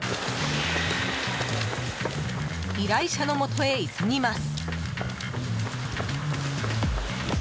依頼者のもとへ急ぎます。